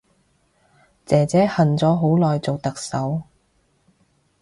姐姐恨咗好耐做特首